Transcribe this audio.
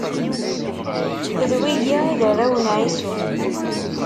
D wigi i d arraw n Ɛisu.